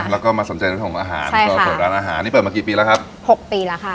แล้วก็มาสนใจเรื่องของอาหารก็เปิดร้านอาหารนี่เปิดมากี่ปีแล้วครับหกปีแล้วค่ะ